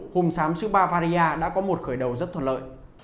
hùng sám sứ ba varia đã có một khởi đầu rất thuận lợi